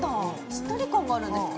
しっとり感があるんですか？